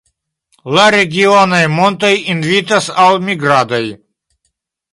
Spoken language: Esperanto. La regionaj montoj invitas al migradoj.